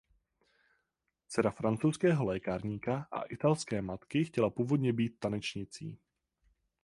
Dcera francouzského lékárníka a italské matky chtěla původně být tanečnicí.